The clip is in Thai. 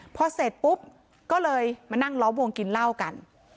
พอเสร็จปุ๊บก็เลยมานั่งล้อมวงกินเหล้ากัน